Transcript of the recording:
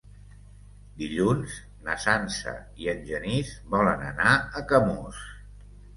Dilluns na Sança i en Genís volen anar a Camós.